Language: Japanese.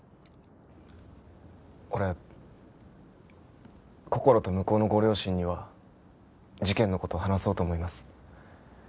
俺こころと向こうのご両親には事件の事を話そうと思います。